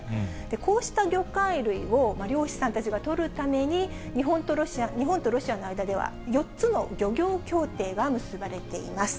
こうした魚介類を、漁師さんたちが取るために、日本とロシアの間では４つの漁業協定が結ばれています。